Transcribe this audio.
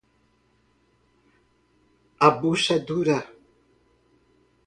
A bucha é dura